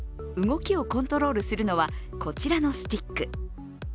動きをコントロールするのはこちらのスティック。